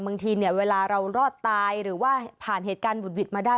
บางทีเนี่ยเวลาเรารอดตายหรือว่าผ่านเหตุการณ์หุดหวิดมาได้